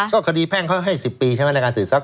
ก็คดีแพ่งเขาให้๑๐ปีใช่ไหมในการศึกษัตริย์ศัพท์